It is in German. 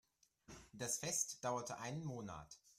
Das Fest dauerte einen Monat.